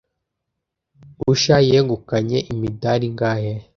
Usha yegukanye imidari ingahe